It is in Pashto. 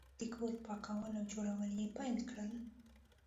د کور پاکول او جوړول یې پیل کړل.